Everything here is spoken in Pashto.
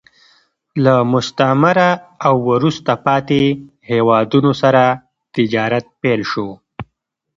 له مستعمره او وروسته پاتې هېوادونو سره تجارت پیل شو